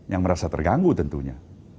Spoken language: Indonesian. yang merasa terganggu tentunya